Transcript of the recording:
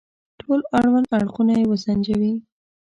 ټول اړوند اړخونه يې وسنجوي.